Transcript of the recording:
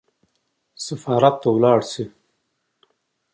سفارت ته ولاړ شي.